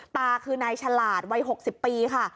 ตาคือนายฉลาดวัย๖๐ปีค่ะ